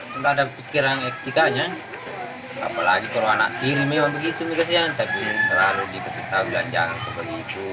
terhadap pikiran etikanya apalagi kalau anak kiri memang begitu tapi selalu dikesihkan jangan seperti itu